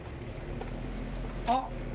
あっ。